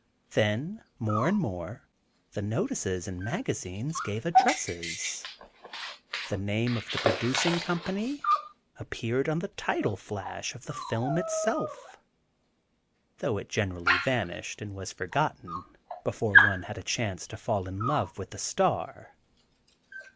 Then, more and more, the notices and the magazines gave addresses; the name of the producing company appeared on the title flash of the film itself, though it generally vanished and was forgotten before one had a chance to fall in love with the star.